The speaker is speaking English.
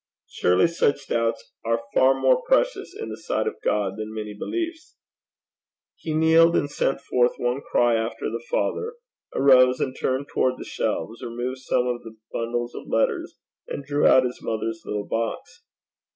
Surely such doubts are far more precious in the sight of God than many beliefs? He kneeled and sent forth one cry after the Father, arose, and turned towards the shelves, removed some of the bundles of letters, and drew out his mother's little box.